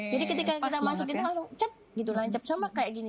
jadi ketika kita masuk kita langsung cep gitu lancap sama kayak gini